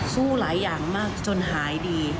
สู้หลายอย่างมากจนหายดี